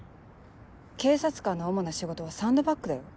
警察官の主な仕事はサンドバッグだよ。